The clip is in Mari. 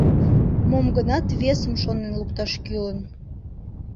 Мом-гынат весым шонен лукташ кӱлын.